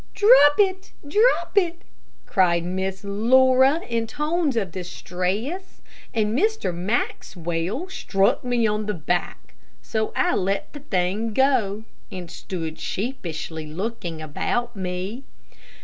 "Drop it, drop it!" cried Miss Laura, in tones of distress, and Mr. Maxwell struck me on the back, so I let the thing go, and stood sheepishly looking about me.